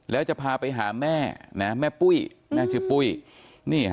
แล้วจะพาไปหาแม่นะแม่ปุ้ยแม่ชื่อปุ้ยนี่ฮะ